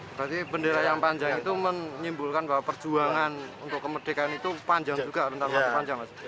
berarti bendera yang panjang itu menyimpulkan bahwa perjuangan untuk kemerdekaan itu panjang juga rentang waktu panjang